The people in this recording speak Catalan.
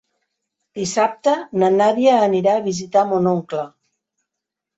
Dissabte na Nàdia anirà a visitar mon oncle.